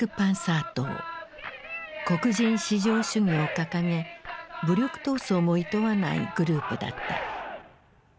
黒人至上主義を掲げ武力闘争もいとわないグループだった。